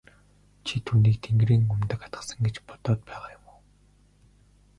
Чи түүнийг тэнгэрийн умдаг атгасан гэж бодоод байгаа юм уу?